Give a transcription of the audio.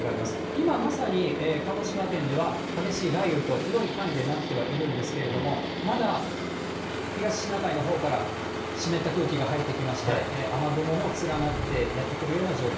今まさに鹿児島県では、激しい雷雨と、広い範囲ではなってはいるんですけれども、まだ東シナ海のほうから湿った空気が入ってきまして、雨雲も連なってやって来るような状況。